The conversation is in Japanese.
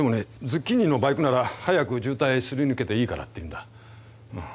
ズッキーニのバイクなら早く渋滞すり抜けていいからって言うんだうん。